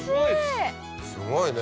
すごいね。